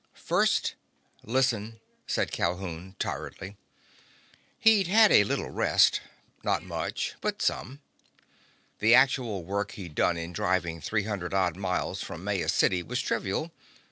"First, listen," said Calhoun tiredly. He'd had a little rest. Not much, but some. The actual work he'd done in driving three hundred odd miles from Maya City was trivial.